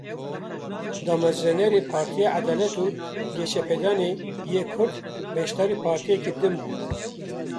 Damezrênerê Partiya Edalet û Geşepêdanê yê Kurd beşdarî partiyeke din bû.